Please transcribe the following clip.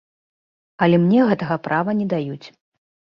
Але мне гэтага права не даюць.